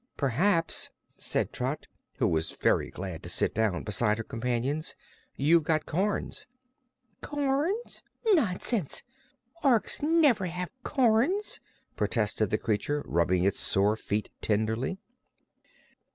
"P'r'aps," said Trot, who was very glad to sit down beside her companions, "you've got corns." "Corns? Nonsense! Orks never have corns," protested the creature, rubbing its sore feet tenderly.